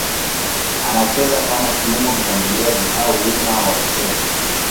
Anacheza kama kiungo mshambuliaji au winga wa kushoto.